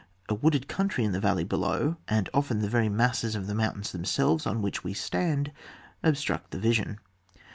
A wooded country in the valley below, and often the very masses of the mountains themselves on which we stand, obstruct the vision.